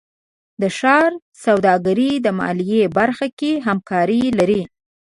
د ښار سوداګرۍ د مالیې برخه کې همکاري لري.